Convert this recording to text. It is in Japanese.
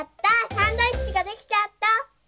サンドイッチができちゃった。